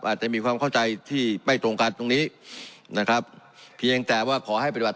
อาจจะมีความเข้าใจที่ไม่ตรงกันตรงนี้นะครับเพียงแต่ว่าขอให้ปฏิบัติ